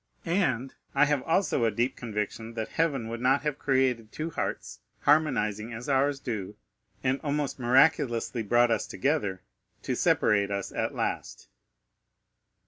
And I have also a deep conviction that heaven would not have created two hearts, harmonizing as ours do, and almost miraculously brought us together, to separate us at last."